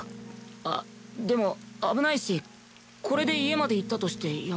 あっでも危ないしこれで家まで行ったとして山田は。